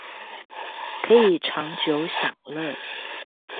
可以長久享樂